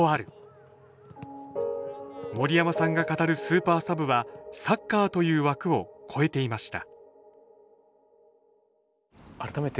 森山さんが語るスーパーサブはサッカーという枠を超えていました